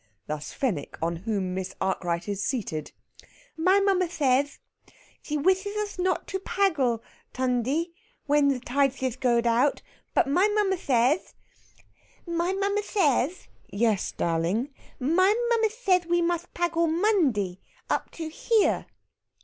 Thus Fenwick, on whom Miss Arkwright is seated. "My mummar says se wissus us not to paggle Tundy when the tideses goed out. But my mummar says my mummar says...." "Yes, darling." "My mummar says we must paggle Monday up to here."